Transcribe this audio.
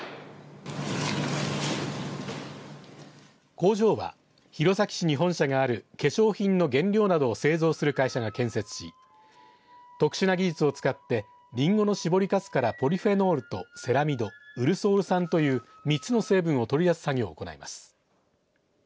工場は弘前市に本社がある化粧品の原料など製造する会社が建設し特殊な技術を使ってりんごの搾りかすからポリフェノールとセラミドウルソール酸という３つの成分を取り出す作業を行います。